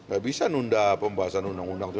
gak bisa nunda pembahasan undang undang